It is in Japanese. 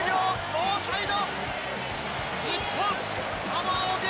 ノーサイド！